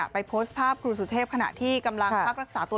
โพสต์ภาพครูสุเทพขณะที่กำลังพักรักษาตัว